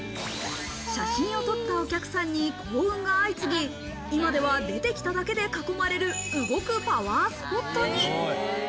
写真を撮ったお客さんに幸運が相次ぎ、今では出てきただけで囲まれる、動くパワースポットに。